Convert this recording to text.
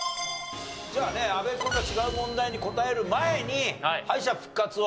じゃあね阿部君が違う問題に答える前に敗者復活を。